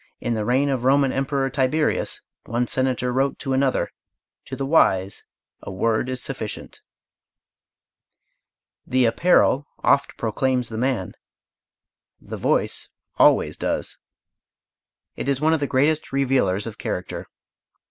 In the reign of the Roman emperor Tiberius, one senator wrote to another: "To the wise, a word is sufficient." "The apparel oft proclaims the man;" the voice always does it is one of the greatest revealers of character.